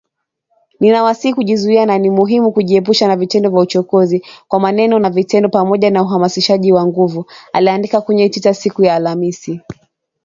“Ninawasihi kujizuia na ni muhimu kujiepusha na vitendo vya uchokozi, kwa maneno na vitendo, pamoja na uhamasishaji wa nguvu” aliandika kwenye Twitter siku ya Alhamisi